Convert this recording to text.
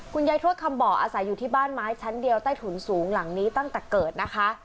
ทวดคำบ่ออาศัยอยู่ที่บ้านไม้ชั้นเดียวใต้ถุนสูงหลังนี้ตั้งแต่เกิดนะคะ